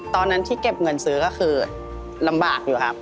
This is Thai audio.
ตอนนั้นที่เก็บเงินซื้อก็คือลำบากอยู่ครับ